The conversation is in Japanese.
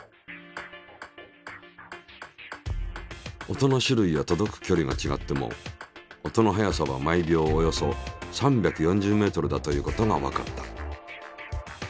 音の種類や届く距離が違っても音の速さは毎秒およそ３４０ｍだということがわかった。